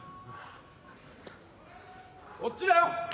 こっちだよ！